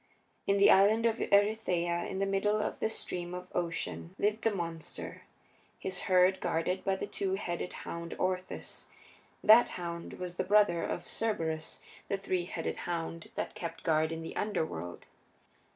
In the Island of Erytheia, in the middle of the Stream of Ocean, lived the monster, his herd guarded by the two headed hound Orthus that hound was the brother of Cerberus, the three headed hound that kept guard in the Underworld.